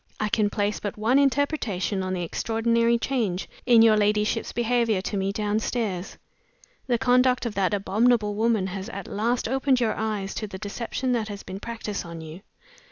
I can place but one interpretation on the extraordinary change in your ladyship's behavior to me downstairs. The conduct of that abominable woman has at last opened your eyes to the deception that has been practiced on you.